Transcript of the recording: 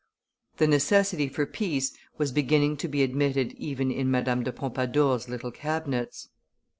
The necessity for peace was, beginning to be admitted even, in Madame de Pompadour's little cabinets.